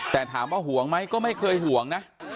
แต่ถามว่าห่วงไหมก็ไม่เคยห่วงนะ